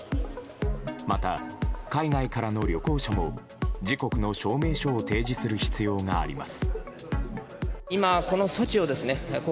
また、海外からの旅行者も自国の証明書を提示する必要があります。